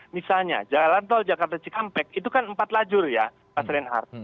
misalnya jalan tol jakarta cikampek itu kan empat lajur ya mas reinhardt